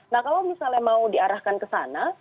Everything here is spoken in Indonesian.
nah kalau misalnya mau diarahkan kesana